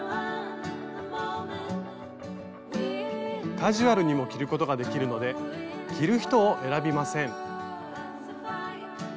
カジュアルにも着ることができるので着る人を選びません。